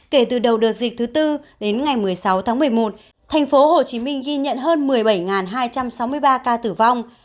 kể từ đầu đợt dịch thứ bốn đến ngày một mươi sáu tháng một mươi một tp hcm ghi nhận hơn một mươi bảy hai trăm sáu mươi ba ca tử vong